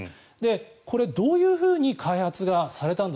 これ、どういうふうに開発がされたのか。